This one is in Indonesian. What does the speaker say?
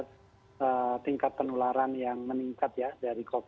ya tadi kalau kita dengar pak aksanul sepertinya persoalannya tidak sekejap